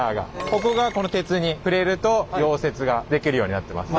ここが鉄に触れると溶接ができるようになってます。